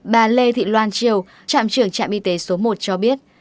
bà lê thị loan triều trạm trưởng trạm y tế số một cho biết